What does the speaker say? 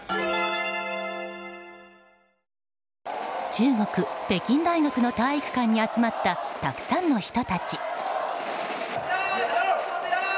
中国・北京大学の体育館に集まったたくさんの人たち。